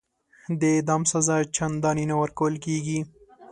د اعدام سزا چنداني نه ورکول کیږي.